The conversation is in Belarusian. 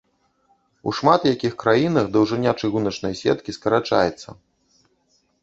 У шмат якіх краінах даўжыня чыгуначнай сеткі скарачаецца.